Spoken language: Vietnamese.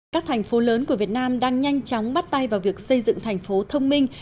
các thành phố lớn của việt nam đang nhanh chóng bắt tay vào việc xây dựng thành phố thông minh